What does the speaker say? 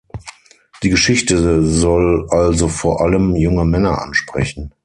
Die Geschichte soll also vor allem junge Männer ansprechen.